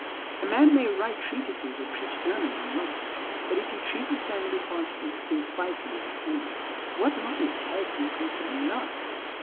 A man may write treatises or preach sermons on Love, but if he treats his family harshly, or thinks spitefully of his enemy, what knowledge has he concerning Love?